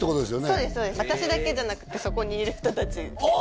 そうですそうです私だけじゃなくてそこにいる人達あ